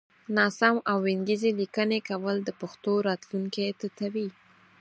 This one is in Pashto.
ناسم او وينگيزې ليکنې کول د پښتو راتلونکی تتوي